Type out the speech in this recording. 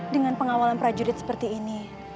dengan pengawalan prajurit seperti ini